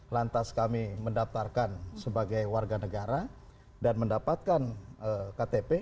lantas kami mendaftarkan sebagai warga negara dan mendapatkan ktp